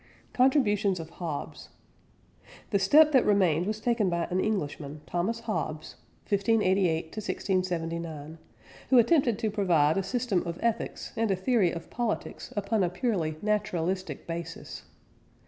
CONTRIBUTIONS OF HOBBES. The step that remained was taken by an Englishman, Thomas Hobbes (1588 1679), who attempted to provide a system of ethics and a theory of politics upon a purely naturalistic basis.